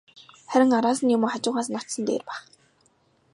Харин араас нь юм уу, хажуугаас нь очсон нь дээр байх.